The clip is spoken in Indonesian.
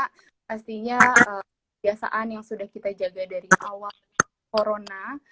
pastinya kebiasaan yang sudah kita jaga dari awal corona